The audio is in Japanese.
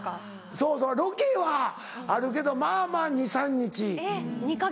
そうそうロケはあるけどまぁまぁ２３日。